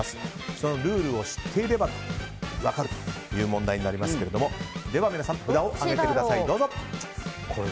そのルールを知っていれば分かるという問題になりますがでは、皆さん札を上げてください。